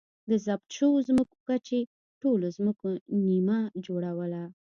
د ضبط شویو ځمکو کچې ټولو ځمکو نییمه جوړوله.